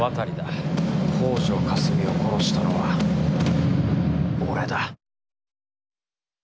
北條かすみを殺したのは俺だ。